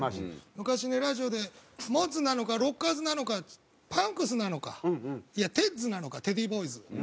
昔ねラジオでモッズなのかロッカーズなのかパンクスなのかいやテッズなのかテディボーイズ。